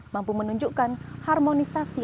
mampu menunjukkan harmonisasi